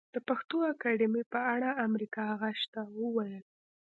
د پښتو اکاډمۍ په اړه امريکا غږ ته وويل